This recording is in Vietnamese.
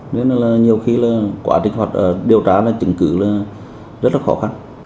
nên là nhiều khi là quá trình hoạt điều tra là chứng cứ là rất là khó khăn